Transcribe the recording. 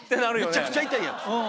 むちゃくちゃ痛いやつ。